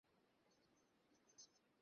এবার তোর পালা।